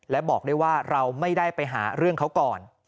และบอกได้ว่าเราไม่ได้ไปหาเรื่องเขาก่อน